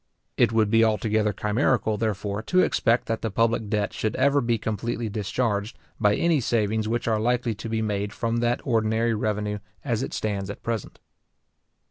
It would be altogether chimerical, therefore, to expect that the public debt should ever be completely discharged, by any savings which are likely to be made from that ordinary revenue as it stands at present.